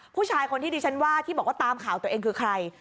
ผู้ชายคนที่ดิฉันว่าที่บอกว่าตามข่าวตัวเองคือใคร